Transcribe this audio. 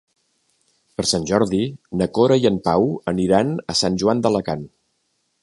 Per Sant Jordi na Cora i en Pau aniran a Sant Joan d'Alacant.